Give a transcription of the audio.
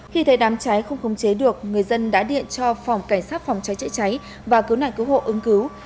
khi thấy đám cháy không khống chế được người dân đã điện cho phòng cảnh sát phòng cháy chữa cháy và cứu nạn cứu hộ ứng cứu